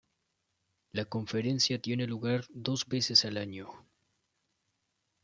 La conferencia tiene lugar dos veces al año.